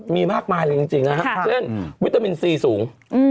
มีมากมายเลยจริงนะฮะเช่นวิตามินซีสูง